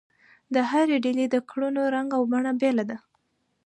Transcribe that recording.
د هرې ډلې د کړنو رنګ او بڼه بېله ده.